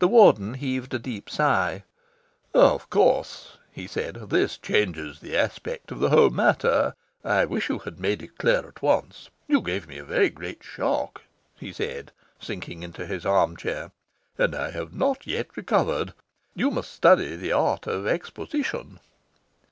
The Warden heaved a deep sigh. "Of course," he said, "this changes the aspect of the whole matter. I wish you had made it clear at once. You gave me a very great shock," he said sinking into his arm chair, "and I have not yet recovered. You must study the art of exposition."